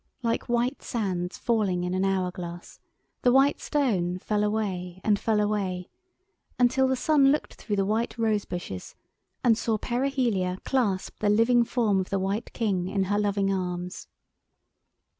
Like white sands falling in an hour glass, the white stone fell away and fell away until the sun looked through the white rose bushes and saw Perihelia clasp the living form of the White King in her loving arms.